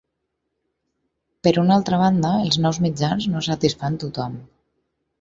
Per una altra banda, els nous mitjans no satisfan tothom.